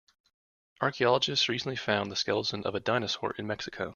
Archaeologists recently found the skeleton of a dinosaur in Mexico.